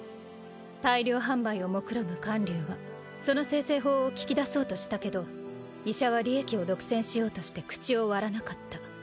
大量販売をもくろむ観柳はその精製法を聞き出そうとしたけど医者は利益を独占しようとして口を割らなかった。